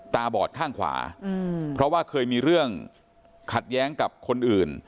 ตาบอดข้างขวาเพราะว่าเคยมีเรื่องขัดแย้งกับคนอื่น